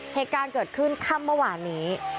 เหตุการณ์เกิดขึ้นค่ำเมื่อวานนี้